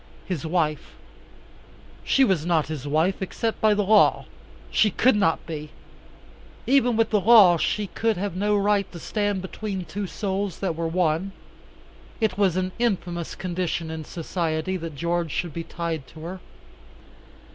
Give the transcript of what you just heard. His wife she was not his wife, except by the law. She could not be. Even with the law she could have no right to stand between two souls that were one. It was an infamous condition in society that George should be tied to her.